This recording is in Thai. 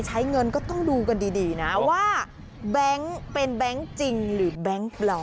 ใช้เงินก็ต้องดูกันดีนะว่าแบงค์เป็นแบงค์จริงหรือแบงค์ปลอม